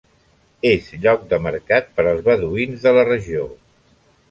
És lloc de mercat per als beduïns de la regió.